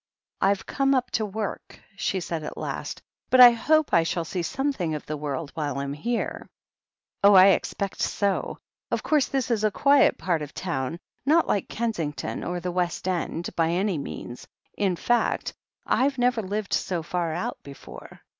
"I've come up to work," she said at last. "But I hope I shall see something of the world while I'm here." "Oh, I expect so. Of course, this is a quiet part of town — ^not like Kensington or the West End, by any means — in fact, I've never lived so far out before.